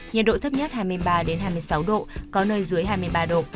nhiệt độ thấp nhất hai mươi ba hai mươi sáu độ có nơi dưới hai mươi ba độ